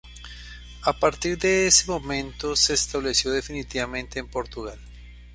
A partir de ese momento se estableció definitivamente en Portugal.